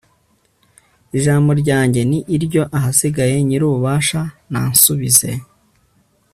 ijambo ryanjye ni iryo, ahasigaye nyir'ububasha nansubize